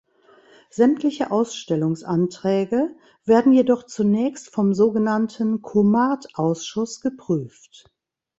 Sämtliche Ausstellungsanträge werden jedoch zunächst vom sogenannten Comart-Ausschuss geprüft.